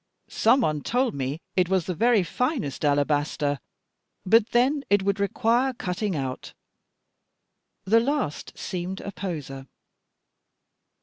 Some one told me it was the very finest alabaster. But then it would require cutting out." The last thought seemed a poser.